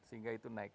sehingga itu naik